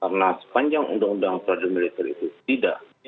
karena sepanjang undang undang pradu militer itu tidak